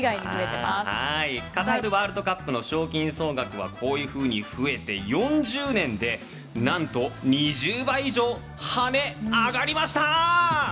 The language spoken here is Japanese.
カタールワールドカップの賞金総額はこういうふうに増えて４０年で、何と２０倍以上ハネ上がりました！